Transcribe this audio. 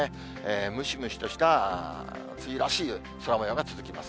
ムシムシとした梅雨らしい空もようが続きます。